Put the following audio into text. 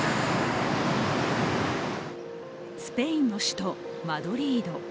スペインの首都マドリード。